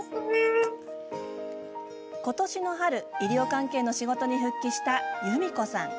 今年の春、医療関係の仕事に復帰した、ゆみこさん。